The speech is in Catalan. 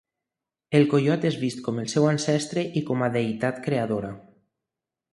El coiot és vist com el seu ancestre i com a deïtat creadora.